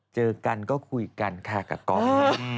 เจอกันก็คุยกันค่ะกับก๊อฟ